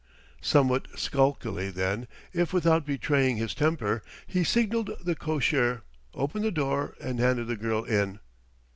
Somewhat sulkily, then, if without betraying his temper, he signalled the cocher, opened the door, and handed the girl in.